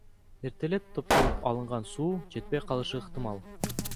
Эртелеп топтолуп алынган суу жетпей калышы ыктымал.